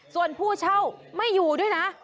ส่วนผู้เช่าไม่อยู่ด้วยนะ